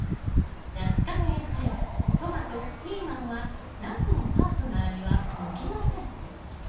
ナス科の野菜トマトピーマンはナスのパートナーには向きません。